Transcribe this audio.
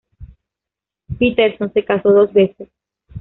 Peterson se casó dos veces.